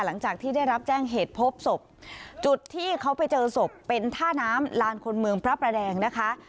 หลังจากที่ได้รับแจ้งเหตุพบศพจุดที่เขาไปเจอศพเป็นท่าน้ำลานคนเมืองพระประแดงนะคะ